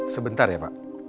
sebentar ya pak